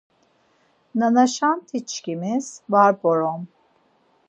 Nanaşant̆işiçkimis var p̌orom.